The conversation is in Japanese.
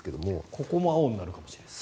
ここも青になるかもしれない。